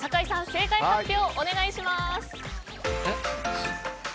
正解発表をお願いします。